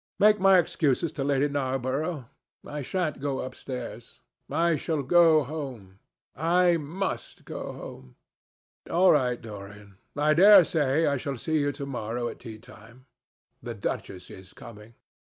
Make my excuses to Lady Narborough. I shan't go upstairs. I shall go home. I must go home." "All right, Dorian. I dare say I shall see you to morrow at tea time. The duchess is coming."